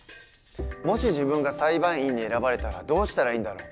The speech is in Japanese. もし自分が裁判員に選ばれたらどうしたらいいんだろう？